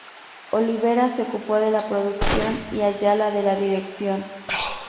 Olivera se ocupó de la producción y Ayala de la dirección.